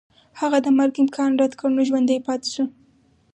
هغه د مرګ امکان رد کړ نو ژوندی پاتې شو.